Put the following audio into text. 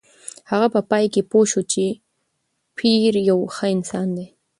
هغه په پای کې پوه شوه چې پییر یو ښه انسان دی.